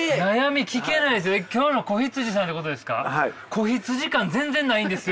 子羊感全然ないんですよ！